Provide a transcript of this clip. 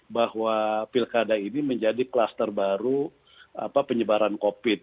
bahwa pilkada ini menjadi kluster baru penyebaran covid